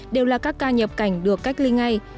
đều là các ca nhập cảnh được cách ly ngay